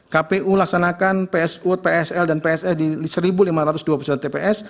kpu laksanakan psl dan pss di satu lima ratus dua puluh satu tps